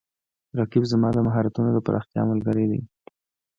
رقیب زما د مهارتونو د پراختیا ملګری دی